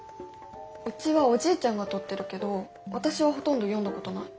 うちはおじいちゃんが取ってるけど私はほとんど読んだことない。